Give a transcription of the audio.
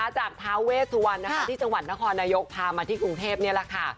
ทาเวสวรรณที่จังหวัดนครนายกพามาที่กรุงเทพนี่แหละค่ะ